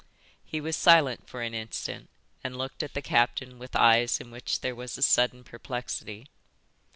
He was silent for an instant and looked at the captain with eyes in which there was a sudden perplexity.